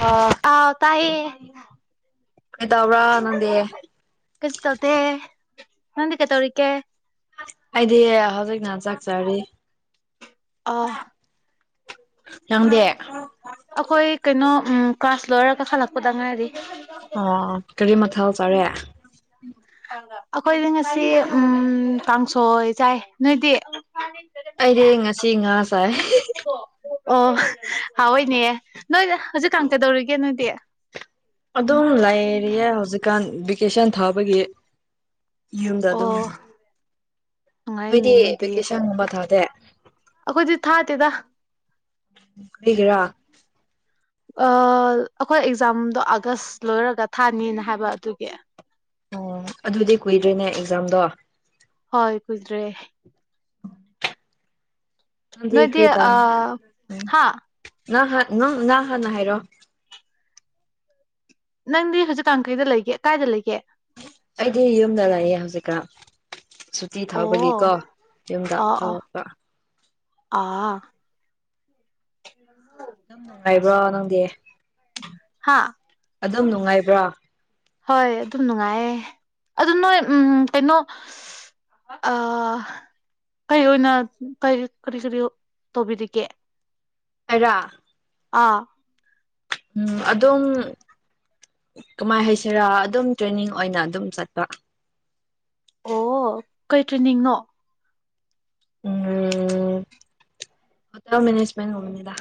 ꯑꯥ ꯑꯥꯎ ꯇꯥꯏꯌꯦ ꯀꯩꯇꯧꯕ꯭ꯔ ꯅꯪꯗꯤ ꯀꯩꯁꯨ ꯇꯧꯗꯦ ꯅꯪꯗꯤ ꯀꯩꯗꯧꯔꯤꯒꯦ ꯑꯩꯗꯤ ꯍꯧꯖꯤꯛꯅ ꯆꯥꯛ ꯆꯥꯔꯤ ꯑꯣ ꯌꯥꯝꯗꯦ ꯑꯈꯣꯏ ꯀꯩꯅꯣ ꯎꯝ ꯀ꯭ꯂꯥꯁ ꯂꯣꯏꯔꯒ ꯍꯜꯂꯛꯄꯗ ꯉꯥꯏꯔꯤ ꯑꯣ ꯀꯔꯤ ꯃꯊꯦꯜ ꯆꯥꯔꯦ ꯑꯈꯣꯏꯗꯤ ꯉꯁꯤ ꯎꯝ ꯀꯥꯡꯁꯣꯏ ꯆꯥꯏ ꯅꯣꯏꯇꯤ ꯑꯩꯗꯤ ꯉꯁꯤ ꯉꯥ ꯆꯥꯏ ꯑꯣ ꯍꯥꯎꯋꯤꯅꯦ ꯅꯣꯏ ꯍꯧꯖꯤꯛꯀꯥꯟ ꯀꯩꯗꯧꯔꯤꯒꯦ ꯅꯣꯏꯗꯤ ꯑꯗꯨꯝ ꯂꯩꯔꯤꯌꯦ ꯍꯧꯖꯤꯛꯀꯥꯟ ꯚꯦꯀꯦꯁꯟ ꯊꯥꯕꯒꯤ ꯌꯨꯝꯗ ꯑꯣ ꯑꯗꯨꯝ ꯅꯨꯡꯉꯥꯏꯅꯦ ꯅꯣꯏꯗꯤ ꯚꯦꯀꯦꯁꯟꯒꯨꯝꯕ ꯊꯥꯗꯦ ꯑꯈꯣꯏꯗꯤ ꯊꯥꯗꯦꯗ ꯀ꯭ꯔꯤꯒꯤꯔ ꯑ ꯑꯈꯣꯏ ꯑꯦꯛꯖꯥꯝꯗꯣ ꯑꯥꯒꯁ ꯂꯣꯏꯔꯒ ꯊꯥꯅꯤꯅ ꯍꯥꯏꯕ ꯑꯗꯨꯒꯤ ꯑꯣ ꯑꯗꯨꯗꯤ ꯀꯨꯏꯗ꯭ꯔꯦꯅꯦ ꯑꯦꯛꯖꯥꯝꯗꯣ ꯍꯣꯏ ꯀꯨꯏꯗ꯭ꯔꯦ ꯅꯪꯗꯤ ꯅꯣꯏꯗꯤ ꯀ꯭ꯔꯤ ꯇꯝ ꯑ ꯍꯥ [unintelligible] ꯅꯪ ꯍꯥꯟꯅ ꯍꯥꯏꯔꯣ ꯅꯪꯗꯤ ꯍꯨꯖꯤꯛꯀꯥꯡ ꯀꯩꯗ ꯂꯩꯒꯦ ꯀꯥꯏꯗ ꯂꯩꯒꯦ ꯑꯩꯗꯤ ꯌꯨꯝꯗ ꯂꯩꯌꯦ ꯍꯧꯖꯤꯛꯀꯥꯟ ꯁꯨꯠ ꯇꯤ ꯊꯥꯕꯒꯤ ꯑꯣ ꯀꯣ ꯌꯨꯝꯗ ꯑꯣ ꯑꯣ [unintelligible] ꯑꯥ [inaudible] ꯅꯨꯡꯉꯥꯏꯕ꯭ꯔꯣ ꯅꯪꯗꯤ ꯍꯥ ꯑꯗꯨꯝ ꯅꯨꯡꯉꯥꯏꯕ꯭ꯔꫭ ꯍꯣꯏ ꯑꯗꯨꯝ ꯅꯨꯡꯉꯥꯏꯌꯦ ꯑꯗꯨ ꯅꯣꯏ ꯎꯝ ꯀꯩꯅꯣ [unintelligible] ꯑꯥ ꯀꯔꯤ ꯑꯣꯏꯅ ꯀꯔꯤ ꯀꯔꯤ ꯀꯔꯤ ꯇꯧꯕꯤꯔꯤꯒꯦ ꯑꯩꯔ ꯑꯥ ꯎꯝ ꯑꯗꯨꯝ ꯀꯝꯃꯥꯏ ꯍꯥꯏꯁꯤꯔ ꯑꯗꯨꯝ ꯇ꯭ꯔꯦꯅꯤꯡ ꯑꯣꯏꯅ ꯑꯗꯨꯝ ꯆꯠꯄ ꯑꯣ ꯀꯩ ꯇ꯭ꯔꯦꯅꯤꯡꯅꯣ ꯎꯝ ꯍꯣꯇꯦꯜ ꯃꯦꯅꯦꯁꯃꯦꯟ ꯒꯨꯝꯕꯅꯤꯗ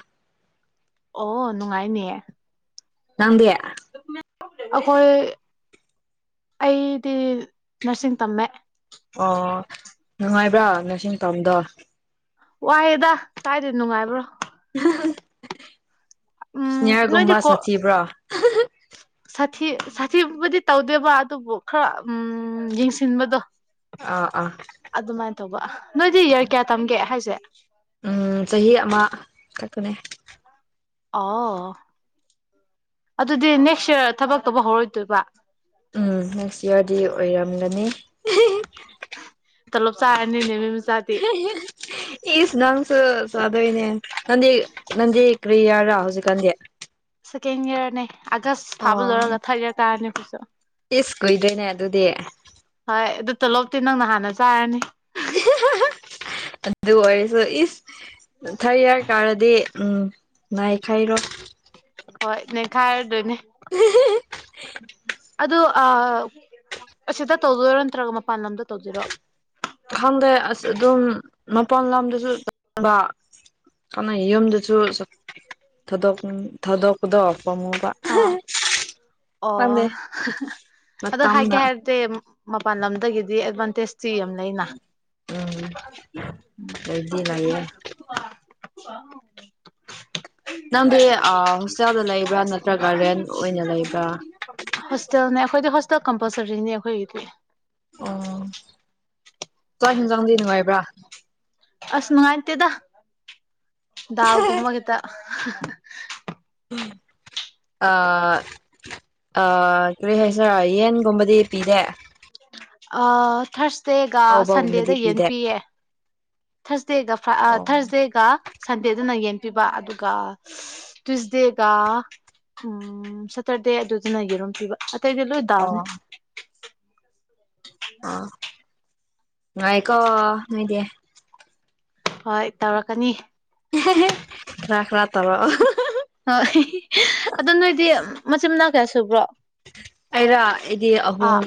ꯑꯣ ꯅꯨꯡꯉꯥꯏꯅꯤꯌꯦ ꯅꯪꯗꯤ [unintelligible] ꯑꯈꯣꯏ ꯑꯩꯗꯤ ꯅꯔꯁꯤꯡ ꯇꯝꯃꯦ ꯑꯣ ꯅꯨꯡꯉꯥꯢꯕ꯭ꯔꯥ ꯅ꯭ꯔꯁꯤꯡ ꯇꯝꯗꯣ ꯋꯥꯏꯌꯗ ꯀꯥꯏꯗ ꯅꯨꯡꯉꯥꯏꯕ꯭ꯔꯣ ꯍꯍ ꯎꯝ ꯅꯣꯏꯗꯤ ꯁꯦꯅꯤꯌꯥꯔꯒꯨꯝꯕ ꯀꯣ ꯁꯥꯊꯤꯕ꯭ꯔꯣ [unintelligible] ꯁꯥꯊꯤ ꯁꯥꯊꯤꯕꯨꯗꯤ ꯇꯧꯗꯦꯕ ꯑꯗꯨꯕꯨ ꯈꯔ ꯎꯝ ꯌꯦꯡꯁꯤꯟꯕꯗꯣ ꯑꯧ ꯑꯥ ꯑꯗꯨꯃꯥꯢꯅ ꯇꯧꯕ ꯅꯣꯢꯗꯤ ꯌꯥꯔ ꯀꯌꯥ ꯇꯝꯒꯦ ꯍꯥꯢꯖꯦ ꯎꯝ ꯆꯍꯤ ꯑꯃ ꯈꯛꯇꯅꯦ ꯑꯑꯣ ꯑꯗꯨꯗꯤ ꯅꯦꯛꯁ ꯏꯌꯔ ꯊꯕꯛ ꯇꯧꯕ ꯍꯧꯔꯣꯢꯗꯣꯢꯕ ꯎꯝ ꯍꯨꯝ ꯁꯤꯑꯣꯢꯗꯤ ꯑꯣꯢꯔꯝꯒꯅꯤ ꯇꯣꯂꯣꯞ ꯆꯥꯔꯅꯤꯅꯦ ꯑꯗꯨꯅꯖ ꯑꯍꯦꯍꯦ ꯍ ꯏꯁ ꯅꯪꯁꯨ ꯆꯥꯗꯣꯢꯅꯦ ꯅꯪꯗꯤ ꯅꯪꯗꯤ ꯀ꯭ꯔꯤ ꯏꯌꯥꯔꯔꯥ ꯍꯧꯖꯤꯛꯀꯥꯟꯗꯤ ꯁꯦꯀꯦꯟ ꯏꯌꯥꯔꯅꯦ ꯑꯥꯒꯁ ꯊꯥꯕ ꯑꯣ ꯂꯣꯢꯔꯒ ꯊꯥꯔꯠ ꯏꯌꯥꯔ ꯀꯥꯔꯅꯤ ꯈꯣꯏꯁꯨ ꯏꯁ ꯀꯨꯢꯗ꯭ꯔꯦꯅꯦ ꯑꯗꯨꯗꯤ ꯍꯣꯏ ꯑꯗꯨ ꯇꯣꯂꯣꯞꯇꯤ ꯅꯪꯅ ꯍꯥꯟꯅ ꯆꯥꯔꯅꯤ ꯑꯍꯦ ꯍꯥꯍꯥ ꯑꯗꯨ ꯑꯣꯏꯔꯁꯨ ꯏꯁ ꯊꯥꯔꯠ ꯏꯌꯥꯔ ꯀꯥꯔꯗꯤ ꯎꯝ ꯉꯥꯢꯈꯩꯔꯣꯢ ꯍꯣꯢ ꯅꯩꯈꯥꯢꯔꯗꯣꯢꯅꯤ ꯑꯍꯦꯍꯦ ꯍꯦ ꯑꯗꯨ ꯑꯥ ꯑꯁꯤꯗ ꯇꯧꯗꯣꯢꯔꯣ ꯅꯠꯇ꯭ꯔꯒ ꯃꯄꯥꯟ ꯂꯝꯗ ꯇꯧꯗꯨꯢꯔꯣ ꯈꯪꯗꯦ ꯑꯁ ꯑꯗꯨꯝ ꯃꯄꯥꯟ ꯂꯝꯗꯁꯨ ꯆꯪꯕ ꯀꯅꯩ ꯌꯨꯝꯗꯖꯨ ꯆꯠ ꯊꯥꯗꯣꯛꯅꯤꯡ ꯊꯥꯗꯣꯛꯄꯗꯣ ꯄꯃꯨ ꯑ ꯑꯣ ꯍ ꯍ ꯑꯗꯣ ꯍꯥꯢꯒꯦ ꯃꯇꯝꯅ ꯍꯥꯢꯔꯗꯤ ꯃꯄꯥꯟ ꯂꯝꯗꯒꯤꯗꯤ ꯑꯦꯗꯚꯥꯟꯇꯦꯖꯇꯤ ꯌꯥꯝ ꯂꯩꯅ ꯎꯝ ꯂꯩꯗꯤ ꯂꯩꯌꯦ [unintelligible] [unintelligible] ꯅꯪꯗꯤ ꯑ ꯍꯣꯁꯇꯦꯜꯗ ꯂꯩꯕ꯭ꯔꯥ ꯅꯠꯇ꯭ꯔꯒ ꯔꯦꯟ ꯑꯣꯢꯅ ꯂꯩꯕ꯭ꯔꯥ ꯍꯣꯁꯇꯦꯜꯅꯦ ꯑꯩꯈꯣꯢꯗꯤ ꯍꯣꯁꯇꯦꯜ ꯀꯝꯄꯜꯁꯔꯤꯅꯦ ꯑꯩꯈꯣꯢꯒꯤꯗꯤ ꯑꯣ ꯆꯥꯛ ꯍꯤꯟꯖꯥꯡꯗꯤ ꯅꯨꯡꯉꯥꯏꯕ꯭ꯔꯥ ꯑꯁ ꯅꯨꯡꯉꯥꯢꯇꯦꯗ ꯗꯥꯜꯒꯨꯝꯕꯒꯤꯇ ꯑ ꯑ ꯀꯔꯤ ꯍꯥꯢꯁꯤꯔ ꯌꯦꯟꯒꯨꯝꯕꯗꯤ ꯄꯤꯗꯦ ꯑ ꯊꯔꯁꯗꯦꯒ ꯑꯍꯥꯎꯕꯒꯨꯝꯕꯗꯤ ꯁꯟꯗꯦꯗ ꯌꯦꯟ ꯄꯤꯗꯦ ꯄꯤꯌꯦ ꯊꯔꯁꯗꯦꯒ ꯐ ꯑꯣ ꯊꯥꯔꯁꯗꯦꯒ ꯁꯟꯗꯦꯗꯅ ꯌꯦꯟ ꯄꯤꯕ ꯑꯗꯨꯒ ꯑꯁ ꯇꯨꯁꯗꯦꯒ ꯎꯝ ꯁꯇꯔꯗꯦ ꯑꯗꯨꯗꯅ ꯌꯦꯔꯨꯝ ꯄꯤꯕ ꯑꯇꯩꯗꯤ ꯂꯣꯢ ꯇꯥꯜꯅꯤ ꯑꯣ ꯑ ꯅꯨꯉꯥꯢꯀꯣ ꯅꯣꯢꯗꯤ ꯍꯣꯢ ꯇꯧꯔꯛꯀꯅꯤ ꯑꯦꯍꯦꯍꯦ ꯈ꯭ꯔꯥ ꯈ꯭ꯔꯥ ꯇꯧꯔꯛꯑꯣ ꯑꯍꯍ ꯑ ꯍꯦꯍꯦ ꯑꯗꯨ ꯅꯣꯢꯗꯤ ꯃꯆꯤꯟ ꯃꯅꯥꯎ ꯀꯌꯥ ꯁꯨꯕ꯭ꯔꯣ ꯑꯩꯔ ꯑꯩꯗꯤ ꯑꯍꯨꯝ ꯑꯥ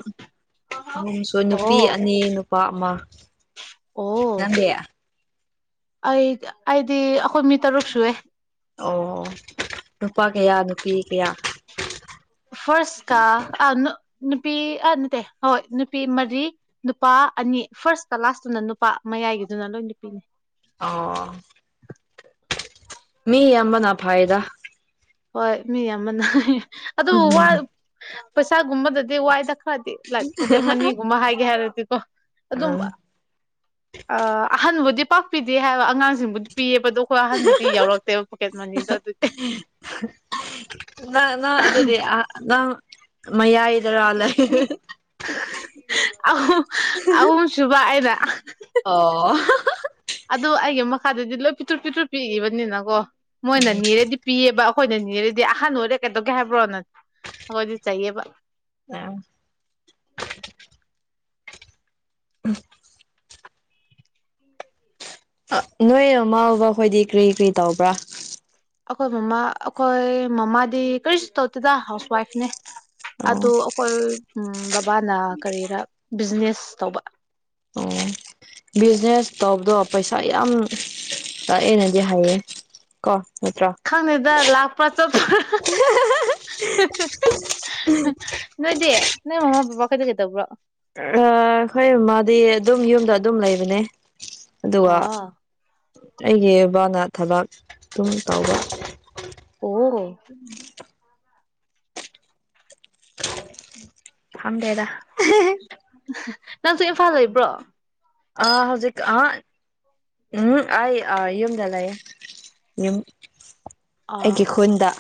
ꯑꯍꯨꯝꯁꯨ ꯅꯨꯄꯤ ꯑꯣ ꯑꯅꯤ ꯅꯨꯞ ꯄꯥ ꯑꯃ ꯑꯣ ꯅꯪꯗꯤ ꯑꯩ ꯑꯩꯗꯤ ꯑꯩꯈꯣꯢ ꯃꯤ ꯇꯔꯨꯛ ꯁꯨꯑꯦ ꯑꯣ ꯅꯨꯄꯥ ꯀꯌꯥ ꯅꯨꯄꯤ ꯀꯌꯥ ꯐꯥꯔꯁꯀ ꯑꯥ ꯅꯨ ꯅꯨꯄꯤ ꯑ ꯅꯠꯇꯦ ꯍꯣꯏ ꯅꯨꯄꯤ ꯃꯔꯤ ꯅꯨꯄꯥ ꯑꯅꯤ ꯐꯥꯔꯁꯀ ꯂꯥꯁꯇꯨꯅ ꯅꯨꯄꯥ ꯃꯌꯥꯏꯒꯤꯗꯨꯅ ꯂꯣꯏ ꯅꯨꯄꯤꯅꯤ ꯑꯣ ꯃꯤ ꯌꯥꯝꯕꯅ ꯐꯥꯏꯗ ꯍꯣꯏ ꯃꯤ ꯌꯥꯝꯕꯅ ꯍꯥ ꯍꯥ ꯑꯗꯨ ꯋꯥ ꯎꯝ ꯄꯩꯁꯥꯒꯨꯝꯕꯗ ꯗꯤ ꯋꯥꯏꯗ ꯈꯔꯗꯤ ꯂꯥꯏꯛ ꯄꯣꯀꯦꯠ ꯃꯅꯤꯒꯨꯝꯕ ꯍꯥꯏꯒꯦ ꯍꯥꯏꯔꯗꯤꯀꯣ ꯑꯗꯨꯝ ꯑꯥ ꯑꯍꯟꯕꯨꯗꯤ ꯄꯥꯛ ꯄꯤꯗꯦ ꯍꯥꯏꯕ ꯑꯉꯥꯡꯁꯤꯡꯕꯨꯗꯤ ꯄꯤꯌꯦꯕ ꯑꯗꯣ ꯄ ꯑꯍꯟꯕꯨꯗꯤ ꯌꯥꯎꯔꯛꯇꯦꯕ ꯄꯣꯀꯦꯠ ꯃꯅꯤꯗꯣ ꯑꯗꯨꯒꯤ ꯑꯍꯥ ꯅꯪ ꯅꯪ ꯑꯗꯨꯗꯤ ꯑꯥ ꯅꯪ ꯃꯌꯥꯏꯗꯔꯥ ꯂꯩ ꯍꯥ ꯑꯍꯨꯝ ꯑꯍꯨꯝ ꯁꯨꯕ ꯑꯩꯅ ꯑꯣ ꯍꯥ ꯍꯥ ꯑꯗꯨ ꯑꯩꯒꯤ ꯃꯈꯥꯗꯗꯤ ꯂꯣꯏ ꯄꯤꯇ꯭ꯔꯨꯨꯞ ꯄꯤꯇ꯭ꯔꯨ ꯄꯤꯛꯏꯕꯅꯤꯅꯀꯣ ꯃꯣꯏꯅ ꯅꯤꯔꯥꯗꯤ ꯄꯤꯌꯦꯕ ꯑꯩꯈꯣꯏꯅ ꯅꯤꯔꯗꯤ ꯑꯍꯟ ꯑꯣꯏꯔꯦ ꯀꯩꯗꯧꯒꯦ ꯍꯥꯏꯕ꯭ꯔꯣꯅ ꯑꯩꯈꯣꯏꯗꯤ ꯆꯩꯌꯦꯕ ꯑꯥ ꯎꯍ [inaudible] ꯑ ꯅꯣꯏ ꯃꯃꯥ ꯕꯕꯥ ꯍꯣꯏꯗꯤ ꯀꯔꯤ ꯀꯔꯤ ꯇꯧꯕ꯭ꯔꯥ ꯑꯩꯈꯣꯏ ꯃꯃꯥ ꯑꯩꯈꯣꯏ ꯃꯃꯥꯗꯤ ꯀꯔꯤꯁꯨ ꯇꯧꯗꯦꯗ ꯍꯥꯎꯁ ꯋꯥꯏꯐꯅꯦ ꯑꯣ ꯑꯗꯣ ꯑꯩꯈꯣꯏ ꯎꯝ ꯑꯩꯈꯣꯏ ꯕꯕꯥꯅ ꯀꯔꯤꯔꯥ ꯕꯤꯖꯤꯅꯦꯁ ꯇꯧꯕ ꯑꯣ [inaudible] ꯕꯤꯖꯤꯅꯦꯁ ꯇꯧꯕꯗꯣ ꯄꯩꯁꯥ ꯌꯥꯝ ꯂꯥꯛꯑꯦꯅꯗꯤ ꯍꯥꯏꯌꯦ ꯀꯣ ꯅꯠꯇ꯭ꯔꯣ ꯈꯪꯗꯦꯗ ꯂꯥꯛꯄ꯭ꯔꯥ ꯆꯠꯄ꯭ꯔꯥ ꯐꯍꯥꯍꯥ ꯍꯥ ꯍ ꯍ ꯍꯥ ꯅꯣꯏꯗꯤ ꯅꯣꯏ ꯃꯃꯥ ꯕꯕꯥ ꯈꯣꯏꯗꯤ ꯀꯩꯇꯧꯕ꯭ꯔꯣ ꯑꯥ ꯈꯣꯏ ꯃꯃꯥꯗꯤ ꯑꯗꯨꯝ ꯌꯨꯝꯗ ꯑꯗꯨꯝ ꯂꯩꯕꯅꯦ ꯑꯗꯨꯒ ꯑꯥ ꯑꯩꯒꯤ ꯕꯥꯅ ꯊꯕꯛ ꯑꯗꯨꯝ ꯇꯧꯕ ꯑꯣ ꯐꯝꯗꯦꯗ ꯑꯍꯥ ꯑꯍꯥ ꯅꯪꯁꯨ ꯏꯝꯐꯥꯜ ꯂꯩꯕ꯭ꯔꯣ ꯑꯥ ꯍꯧꯖꯤꯛ ꯑꯥ ꯎꯝꯍ ꯑꯩ ꯑꯥ ꯌꯨꯝꯗ ꯂꯩꯌꯦ ꯌꯨꯝ ꯑꯥ ꯑꯩꯒꯤ ꯈꯨꯟꯗ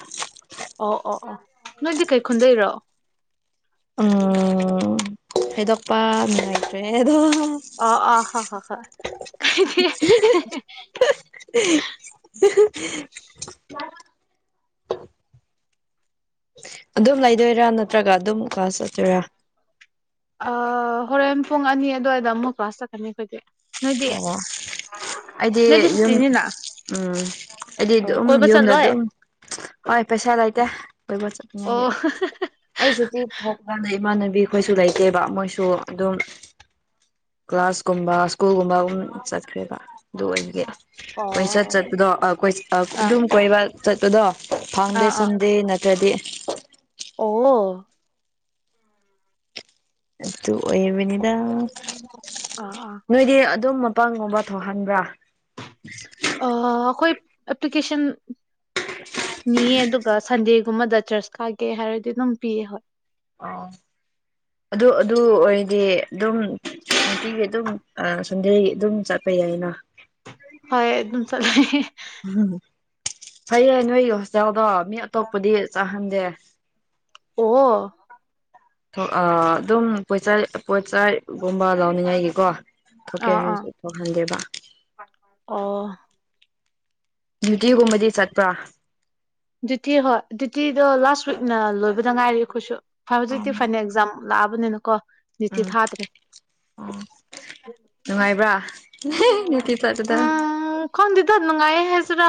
ꯑꯣ ꯑꯣ ꯑꯣ ꯅꯣꯏꯗꯤ ꯀꯩ ꯈꯨꯨꯟꯗꯩꯔꯣ ꯎꯝ ꯍꯥꯏꯗꯣꯛꯄ ꯅꯨꯡꯉꯥꯏꯇ꯭ꯔꯦ ꯑꯗꯣ ꯍꯥꯍꯥ ꯑꯣ ꯑꯥ ꯍꯣ ꯍꯣ ꯍꯣꯏ ꯀꯥꯏꯗꯦ ꯍꯦꯍ ꯍꯥ ꯍ ꯍꯥ ꯍꯥ ꯑꯗꯨꯝ ꯂꯩꯗꯣꯏꯔꯥ ꯅꯠꯇ꯭ꯔꯒ ꯑꯗꯨꯝ ꯀ꯭ꯂꯥꯁ ꯆꯥꯠꯇꯣꯏꯔꯥ ꯑꯥ ꯍꯣꯔꯦꯟ ꯄꯨꯡ ꯑꯅꯤ ꯑꯗꯨꯋꯥꯏꯗ ꯑꯃꯨꯛ ꯀ꯭ꯂꯥꯁ ꯆꯠꯀꯅꯤ ꯑꯩꯈꯣꯏꯗꯤ ꯅꯣꯏꯗꯤ ꯑꯣ ꯑꯩꯗꯤ ꯅꯣꯏꯗꯤ ꯌꯨꯝ ꯁꯨꯇꯤꯅꯤꯅ ꯎꯝ ꯑꯩꯗꯤ ꯑꯣ ꯑꯗꯨꯝ ꯀꯣꯏꯕ ꯌꯨꯝꯗ ꯆꯠꯂꯣꯏ ꯑꯗꯨꯝ ꯍꯣꯏ ꯄꯩꯁꯥ ꯂꯩꯇꯦ ꯀꯣꯏꯕ ꯑꯣ ꯆꯠꯅꯤꯉꯥꯏꯒꯤ ꯑꯩꯁꯨ [unintelligible] ꯊꯣꯛꯄꯀꯥꯟꯗ ꯏꯃꯥꯟꯅꯕꯤ ꯈꯣꯏꯁꯨ ꯂꯩꯇꯦꯕ ꯃꯣꯏꯁꯨ ꯑꯗꯨꯝ ꯀ꯭ꯂꯥꯁꯀꯨꯝꯕ ꯁ꯭ꯀꯨꯜꯒꯨꯝꯕ ꯑꯗꯨꯨꯝ ꯆꯠꯈ꯭ꯔꯦꯕ ꯑꯗꯨ ꯑꯣꯏꯕꯒꯤ ꯀꯣꯏꯆꯥꯠ ꯑꯣ ꯆꯥꯠꯄꯗꯣ ꯑꯥ ꯀꯣꯏ ꯑꯥ ꯑꯗꯨꯝ ꯀꯣꯏꯕ ꯆꯥꯠꯄꯗꯣ ꯐꯪꯗꯦ ꯑꯥ ꯑꯥ ꯁꯟꯗꯦ ꯅꯠꯇ꯭ꯔꯥꯗꯤ ꯑꯣ ꯑꯗꯨ ꯑꯣꯏꯔꯅꯤꯗ ꯑꯥ ꯑꯥ ꯅꯣꯏꯗꯤ ꯑꯗꯨꯝ ꯄꯪꯒꯨꯝꯕ ꯊꯣꯛꯍꯟꯕ꯭ꯔꯥ ꯑꯥ ꯑꯈꯣꯏ ꯑꯦꯞꯄ꯭ꯂꯤꯀꯦꯁꯟ ꯄꯤꯌꯦ ꯑꯗꯨꯒ ꯁꯟꯗꯦꯒꯨꯝꯕꯗ ꯆꯔꯆ ꯀꯥꯒꯦ ꯍꯥꯏꯔꯗꯤ ꯑꯗꯨꯝ ꯄꯤꯌꯦ ꯍꯣꯏ ꯑꯣ ꯑꯗꯨ ꯑꯗꯨ ꯑꯣꯏꯔꯗꯤ ꯑꯗꯨꯝ ꯅꯨꯡꯇꯤꯒꯤ ꯑꯗꯨꯝ ꯑ ꯁꯟꯗꯦ ꯑꯗꯨꯝ ꯆꯠ ꯄꯌꯥꯏꯅ ꯍꯣꯏ ꯑꯗꯨꯝ ꯆꯠꯂꯦ ꯐꯩꯌꯦ ꯅꯣꯏ ꯍꯣꯁꯇꯦꯜꯗꯣ ꯃꯤ ꯑꯇꯣꯞꯄꯗꯤ ꯆꯠꯍꯟꯗꯦ ꯑꯣ ꯑꯥ ꯑꯗꯨꯝ ꯄꯣꯆꯩ ꯄꯣꯠꯆꯩꯒꯨꯝꯕ ꯂꯧꯅꯤꯡꯉꯥꯏꯒꯤꯀꯣ ꯊꯣꯛꯀꯦ ꯑꯥ ꯑꯥ ꯍꯥꯏꯔꯖꯨ ꯊꯣꯛꯍꯟꯗꯦꯕ ꯑꯣ ꯗ꯭ꯌꯨꯇꯤꯒꯨꯝꯕꯗꯤ ꯆꯠꯄ꯭ꯔꯥ ꯗꯤꯌꯨꯇꯤ ꯍꯣꯏ ꯗꯤꯌꯨꯇꯤꯗꯣ ꯂꯥꯁꯋꯤꯛꯅ ꯂꯣꯏꯕꯗ ꯉꯥꯏꯔꯤ ꯑꯩꯈꯣꯏꯁꯨ ꯐꯥꯏ ꯎꯝ ꯍꯧꯖꯤꯛꯇꯤ ꯐꯥꯏꯅꯦ ꯑꯦꯛꯖꯥꯝ ꯂꯥꯛꯑꯕꯅꯤꯅꯀꯣ ꯗꯤꯇꯤ ꯊꯥꯗ꯭ꯔꯦ ꯑꯣ ꯅꯨꯉꯥꯏꯕ꯭ꯔꯥ ꯅꯨꯇꯤ ꯆꯠꯄꯗꯣ ꯑꯥ ꯈꯪꯗꯦꯗ ꯅꯨꯡꯉꯥꯏꯌꯦ ꯍꯥꯏꯁꯤꯔꯥ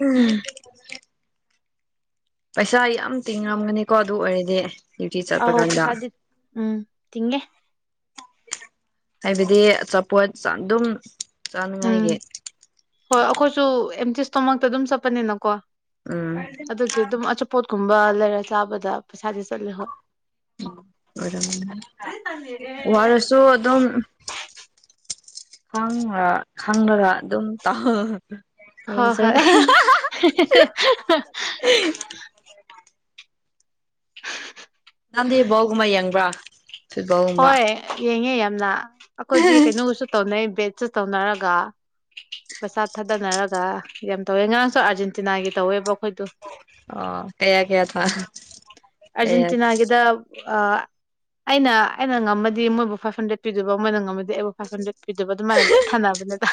ꯎꯝ [inaudible] ꯄꯩꯁꯥ ꯌꯥꯝ ꯇꯤꯡꯔꯝꯒꯅꯤꯀꯣ ꯑꯗꯨ ꯑꯣꯏꯔꯗꯤ ꯗꯤꯌꯨꯇꯤ ꯑꯧ ꯆꯥꯠꯄꯀꯥꯟꯗ ꯄꯩꯁꯥꯗꯤ ꯎꯝ ꯇꯤꯡꯉꯦ ꯍꯥꯏꯕꯗꯤ ꯑꯆꯥꯄꯣꯠ ꯆꯥ ꯑꯗꯨꯝ ꯎꯝ ꯆꯥꯅꯉꯥꯏꯒꯤ ꯍꯣꯏ ꯑꯈꯣꯏꯁꯨ ꯑꯦꯝꯇꯤ ꯏꯁꯇꯣꯃꯛꯇ ꯑꯗꯨꯝ ꯆꯥꯠꯄꯅꯤꯅꯀꯣ ꯎꯝ ꯑꯗꯨꯒꯤ ꯑꯗꯨꯝ ꯑꯆꯥꯄꯣꯠꯀꯨꯝꯕ ꯂꯩꯔ ꯆꯥꯕꯗ ꯄꯩꯁꯥꯗꯤ ꯆꯠꯂꯦ ꯍꯣꯏ ꯎꯝ ꯑꯣꯏꯔꯝ ꯋꯥꯔꯁꯨ ꯑꯗꯨꯝ ꯈꯥꯡꯔ ꯈꯪꯔꯒ ꯑꯗꯨꯝ ꯇꯧ ꯍꯣꯏ ꯇꯧꯖꯔ ꯍꯣꯏ ꯅꯪꯗꯤ ꯕꯣꯜ ꯒꯨꯝꯕ ꯌꯦꯡꯕ꯭ꯔꯥ ꯐꯨꯠꯕꯣꯜꯒꯨꯝꯕ ꯍꯣꯏ ꯌꯦꯡꯉꯦ ꯌꯥꯝꯅ ꯑꯈꯣꯏꯗꯤ ꯀꯩꯅꯣꯒꯁꯨ ꯇꯧꯅꯩ ꯕꯦꯠꯁꯨ ꯇꯧꯅꯔꯒ ꯄꯩꯁꯥ ꯊꯥꯗꯅꯔꯒ ꯌꯥꯝ ꯇꯧꯋꯦ ꯉꯔꯥꯡꯁꯨ ꯑꯥꯔꯖꯦꯟꯇꯤꯅꯥꯒꯤ ꯇꯧꯋꯦꯕ ꯑꯈꯣꯏꯗꯣ ꯑꯣ ꯀꯌꯥ ꯀꯌꯥ ꯊꯥ ꯀꯌꯥ ꯑ ꯑꯩꯅ ꯑꯩꯅ ꯉꯝꯃꯗꯤ ꯃꯣꯏꯕꯨ ꯐꯥꯏꯚ ꯍꯟꯗ꯭ꯔꯦꯠ ꯄꯤꯗꯣꯏꯕ ꯃꯣꯏꯅ ꯉꯝꯃꯗꯤ ꯑꯩꯕꯨ ꯐꯥꯏꯚ ꯍꯟꯗ꯭ꯔꯦꯠ ꯄꯤꯗꯨꯏꯕ ꯑꯗꯨꯃꯥꯏꯅ ꯕꯦꯠ ꯊꯥꯅꯕꯅꯦꯗ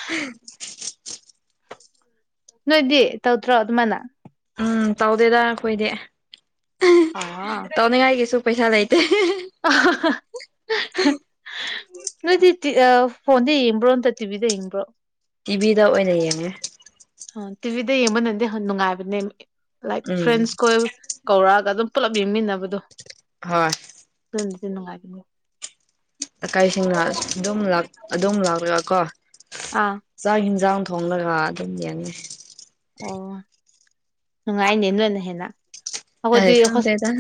[unintelligible] ꯅꯣꯏꯗꯤ ꯇꯧꯗ꯭ꯔꯣ ꯑꯗꯨꯃꯥꯏꯅ ꯎꯝ ꯇꯧꯗꯦꯗ ꯑꯩꯈꯣꯏꯗꯤ ꯑꯥ ꯇꯧꯅꯤꯡꯉꯥꯏꯒꯤꯁꯨ ꯄꯩꯁꯥ ꯂꯩꯇꯦ [unintelligible] ꯅꯣꯏꯗꯤ ꯇꯤ ꯑꯥ ꯐꯣꯟꯗ ꯌꯦꯡꯕ꯭ꯔꯣ ꯅꯠꯇ꯭ꯔ ꯇꯤꯚꯤꯗ ꯌꯦꯡꯕ꯭ꯔꯣ ꯇꯤꯚꯤꯗ ꯑꯣꯏꯅ ꯌꯦꯡꯉꯦ ꯇꯤꯚꯤꯗ ꯌꯦꯡꯕꯅꯗꯤ ꯍꯟ ꯅꯨꯡꯉꯥꯏꯕꯅꯦ ꯂꯥꯏꯛ ꯎꯝ ꯐ꯭ꯔꯦꯟꯁ ꯀꯣꯏ ꯀꯧꯔꯛꯑꯒ ꯑꯗꯨꯝ ꯄꯨꯂꯞ ꯌꯦꯡꯃꯤꯟꯅꯕꯗꯣ ꯍꯣꯏ ꯑꯗꯨꯅꯗꯤ ꯅꯨꯡꯉꯥꯏꯕꯅꯦ ꯂꯩꯀꯥꯏꯁꯤꯡꯅ ꯑꯗꯨꯝ ꯂꯥꯛ ꯑꯗꯨꯝ ꯂꯥꯛꯔꯒ ꯑꯥ ꯆꯥꯛ ꯍꯤꯟꯖꯥꯡ ꯊꯣꯡꯂꯒ ꯑꯗꯨꯝ ꯌꯦꯡꯉꯦ ꯑꯣ ꯅꯨꯡꯉꯥꯏꯅꯦ ꯅꯣꯏꯅ ꯍꯦꯟꯅ ꯑꯈꯣꯏꯗꯤ ꯑꯩ ꯍꯣꯁ ꯈꯪꯗꯦꯗ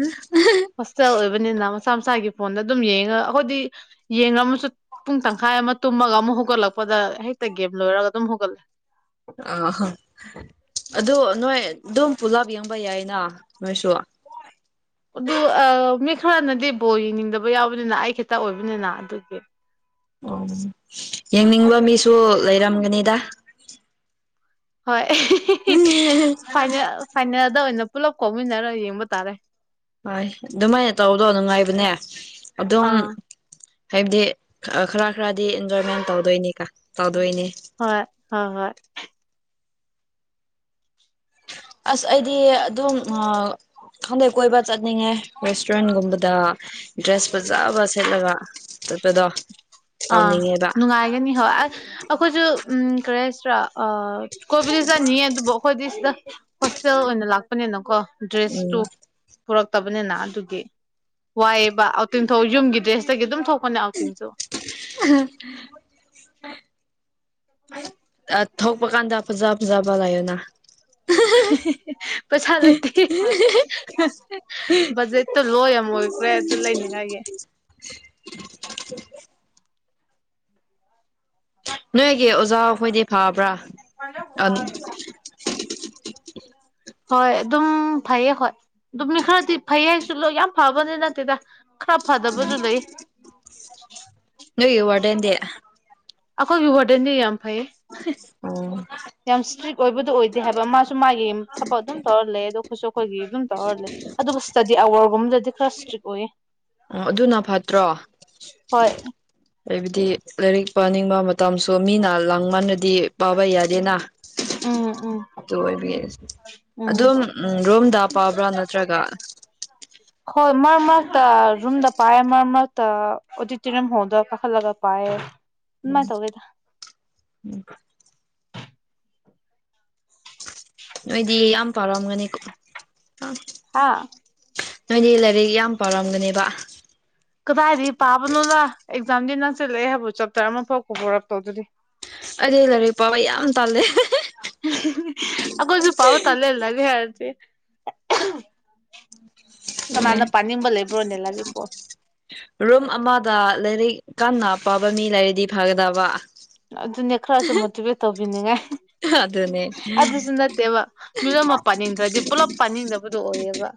ꯍꯣꯁꯇꯦꯜ ꯑꯣꯏꯕꯅꯤꯅ ꯃꯁꯥ ꯃꯁꯥꯒꯤ ꯐꯣꯟꯗ ꯑꯗꯨꯝ ꯌꯦꯡꯉ ꯑꯈꯣꯏꯗꯤ ꯌꯦꯡꯔꯝꯃꯁꯨ ꯄꯨꯡ ꯇꯪꯈꯥꯏ ꯑꯃ ꯇꯨꯝꯃꯒ ꯑꯃꯨꯛ ꯍꯧꯒꯠꯂꯛꯄꯗ ꯍꯦꯛꯇ ꯒꯦꯝ ꯂꯣꯏꯔꯒ ꯑꯗꯨꯝ ꯍꯧꯒꯠꯂꯦ ꯑ ꯍꯣ ꯑꯗꯨ ꯅꯣꯏ ꯑꯗꯨꯝ ꯄꯨꯂꯞ ꯌꯦꯡꯕ ꯌꯥꯏꯅ ꯅꯣꯏꯁꯨ ꯑꯗꯨ ꯑꯥ ꯃꯤ ꯈꯔꯅꯗꯤ ꯕꯣꯜ ꯌꯦꯡꯅꯤꯡꯗꯕ ꯌꯥꯎꯕꯅꯤꯅ ꯑꯩ ꯈꯤꯇ ꯑꯣꯏꯕꯅꯤꯅ ꯑꯗꯨꯒꯤ ꯑꯣ ꯌꯦꯡꯅꯤꯡꯕ ꯃꯤꯁꯨ ꯂꯩꯔꯝꯒꯅꯤꯗ ꯍꯣꯏ [unintelligible] ꯍꯣꯏ ꯐꯥꯏꯅꯦꯜ ꯐꯥꯏꯅꯦꯜꯗ ꯑꯣꯏꯅ ꯄꯨꯂꯞ ꯀꯧꯃꯤꯟꯅꯔ ꯌꯦꯡꯕ ꯇꯥꯔꯦ ꯍꯣꯏ ꯑꯗꯨꯝꯃꯥꯏꯅ ꯇꯧꯕꯗꯣ ꯅꯨꯡꯉꯥꯏꯕꯅꯦ ꯑꯗꯨꯝ ꯑꯥ ꯍꯥꯏꯞꯗꯤ ꯈꯔ ꯈꯔꯗꯤ ꯏꯟꯖꯣꯏꯃꯦꯟ ꯇꯧꯗꯣꯏꯅꯤ ꯀ ꯇꯧꯗꯣꯏꯅꯤ ꯍꯣꯏ ꯍꯣꯏ ꯍꯣꯏ ꯑꯁ ꯑꯩꯗꯤ ꯑꯗꯨꯝ ꯑꯥ ꯈꯪꯗꯦ ꯀꯣꯏꯕ ꯆꯠꯅꯤꯡꯉꯦ ꯔꯦꯁꯇꯨꯔꯦꯟ ꯒꯨꯝꯕꯗ ꯗ꯭ꯔꯦꯁ ꯐꯖꯕ ꯁꯦꯠꯂꯒ ꯆꯠꯄꯗꯣ ꯑ ꯇꯧꯅꯤꯡꯉꯦꯕ ꯅꯨꯡꯉꯥꯏꯒꯅꯤ ꯍꯣꯏ ꯑꯁ ꯑꯈꯣꯏꯁꯨ ꯎꯝ ꯀꯔꯤ ꯍꯥꯏꯁꯤꯔ ꯑ ꯀꯣꯏꯕꯗꯤ ꯆꯠꯅꯤꯌꯦ ꯑꯗꯨꯕꯨ ꯑꯈꯣꯏꯗꯤ ꯁꯤꯗ ꯍꯣꯁꯇꯦꯜ ꯑꯣꯏꯅ ꯂꯥꯛꯄꯅꯤꯅꯀꯣ ꯎꯝ ꯗ꯭ꯔꯦꯁꯇꯨ ꯄꯨꯔꯛꯇꯕꯅꯤꯅ ꯑꯗꯨꯒꯤ ꯋꯥꯏꯕ ꯑꯥꯎꯠꯇꯤꯡ ꯊꯣꯛ ꯌꯨꯝꯒꯤ ꯗ꯭ꯔꯦꯁꯇꯒꯤ ꯑꯗꯨꯝ ꯊꯣꯛ ꯄꯅꯦ ꯑꯥꯎꯠꯇꯤꯡꯁꯨ [unintelligible] ꯑ ꯊꯣꯛꯄ ꯀꯥꯟꯗ ꯐꯖ ꯐꯖꯕ ꯂꯩꯌꯨꯅ [unintelligible] ꯄꯩꯁꯥ ꯂꯩꯇꯦ [unintelligible] ꯕꯖꯦꯠꯇꯣ ꯂꯣ ꯌꯥꯝ ꯑꯣꯏꯈ꯭ꯔꯦ ꯑꯗꯨ ꯂꯩꯅꯤꯡꯉꯥꯏꯒꯤ ꯅꯣꯏꯒꯤ ꯑꯣꯖꯥ ꯈꯣꯏꯗꯤ ꯐꯕ꯭ꯔ [unintelligible] ꯍꯣꯏ ꯑꯗꯨꯝ ꯐꯩꯌꯦ ꯍꯣꯏ ꯑꯗꯨꯝ ꯃꯤ ꯈꯔꯗꯤ ꯐꯩ ꯍꯥꯏꯁꯨ ꯂꫭꯏ ꯌꯥꯝ ꯐꯕꯗꯤ ꯅꯠꯇꯦꯗ ꯈꯔ ꯐꯗꯕꯖꯨ ꯂꯩ ꯅꯣꯏꯒꯤ ꯋꯥꯔꯗꯦꯟꯗꯤ ꯑꯈꯣꯏꯒꯤ ꯋꯥꯔꯗꯦꯟꯗꯤ ꯌꯥꯝ ꯐꯩꯌꯦ ꯑꯣ ꯌꯥꯝ ꯏꯁꯇ꯭ꯔꯤꯛ ꯑꯣꯏꯕꯗꯣ ꯑꯣꯏꯗꯦ ꯍꯥꯏꯕ ꯃꯥꯁꯨ ꯃꯥꯒꯤ ꯊꯕꯛ ꯑꯗꯨꯝ ꯇꯧꯔ ꯂꯩꯌꯦ ꯑꯗꯣ ꯑꯈꯣꯏꯁꯨ ꯑꯈꯣꯏꯒꯤ ꯑꯗꯨꯝ ꯇꯧꯔ ꯂꯩ ꯑꯗꯨꯒ ꯁ꯭ꯇꯗꯤ ꯑꯋꯥꯔꯒꯨꯝꯕꯗꯗꯤ ꯈꯔ ꯏꯁꯇ꯭ꯔꯤꯛ ꯑꯣꯏꯌꯦ ꯎꯝ ꯑꯗꯨꯅ ꯐꯠꯇ꯭ꯔꯣ ꯍꯣꯏ ꯍꯥꯏꯕꯗꯤ ꯂꯥꯏꯔꯤꯛ ꯄꯥꯅꯤꯡꯕ ꯃꯇꯝꯁꯨ ꯃꯤꯅ ꯂꯥꯡꯃꯟꯔ ꯗꯤ ꯄꯥꯕ ꯌꯥꯗꯦꯅ ꯎꯝ ꯎꯝ ꯗꯨ ꯑꯣꯏꯕꯒꯤ ꯎꯝ ꯑꯗꯨꯝ ꯔꯨꯝꯗ ꯄꯥꯕ꯭ꯔ ꯅꯠꯇ꯭ꯔꯒ ꯍꯣꯏ ꯃꯔꯛ ꯃꯔꯛꯇ ꯔꯨꯝꯗ ꯄꯥꯏꯌꯦ ꯃꯔꯛ ꯃꯔꯛꯇ ꯑꯣꯗꯤꯇꯣꯔꯤꯌꯝ ꯍꯣꯜꯗ ꯀꯥꯈꯠꯂꯒ ꯄꯥꯏꯌꯦ ꯎꯝ ꯑꯗꯨꯃꯥꯏꯅ ꯇꯧꯋꯦꯗ ꯎꯝ ꯅꯣꯏꯗꯤ ꯌꯥꯝ ꯄꯥꯔꯝꯒꯅꯤ [unintelligible] ꯍꯥꯥ ꯅꯣꯏꯗꯤ ꯂꯥꯏꯔꯤꯛ ꯌꯥꯝ ꯄꯥꯔꯝꯒꯅꯤꯕ ꯀꯗꯥꯏꯗꯒꯤ ꯄꯥꯕꯅꯣꯗ ꯑꯦꯛꯖꯥꯝꯗꯤ ꯅꯪꯁꯤꯜꯂꯛꯑꯦ ꯍꯥꯏꯕꯕꯨ ꯆꯥꯞꯇꯔ ꯑꯃꯐꯥꯎ ꯀꯣꯕꯥꯔ ꯑꯥꯞ ꯍꯧꯗꯔꯤ ꯑꯩꯗꯤ ꯂꯥꯏꯔꯤꯛ ꯄꯥꯕ ꯌꯥꯝ ꯇꯥꯜꯂꯦ ꯑꯈꯣꯢꯁꯨ ꯄꯕ ꯇꯜꯂꯦ ꯂꯥꯏꯔꯤꯛ ꯍꯥꯏꯔꯗꯤ ꯑꯗꯨꯅꯦ ꯀꯅꯥꯅ ꯄꯥꯅꯤꯡꯕ ꯂꯩꯕ꯭ꯔꯣꯅꯦ ꯂꯥꯏꯔꯤꯛꯄꯨ ꯔꯨꯝ ꯑꯃꯗ ꯂꯥꯏꯔꯤꯛ ꯀꯟꯅ ꯄꯥꯕ ꯃꯤ ꯂꯩꯔꯗꯤ ꯐꯥꯒꯗꯕ ꯑꯗꯨꯅꯦ ꯈꯔꯁꯨ ꯃꯣꯇꯤꯚꯦꯠ ꯇꯧꯕꯤꯅꯤꯡꯉꯥꯏ ꯑꯗꯨꯅꯦ ꯑꯗꯨꯁꯨ ꯅꯠꯇꯦꯕ ꯃꯤ ꯑꯃ ꯄꯥꯅꯤꯡꯗ꯭ꯔꯗꯤ ꯄꯨꯂꯞ ꯄꯥꯅꯤꯡꯗꯕꯗꯣ ꯑꯣꯏꯌꯦꯕ